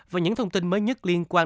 và những thông tin mới nhất liên quan